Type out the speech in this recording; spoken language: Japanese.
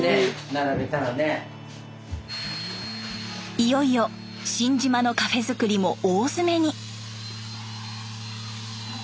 いよいよ新島のカフェ造りも大詰めに。